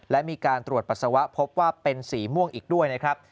และมีการตรวจปัสสาวะพบว่าเป็นสีม่วงอีกด้วยนะครับ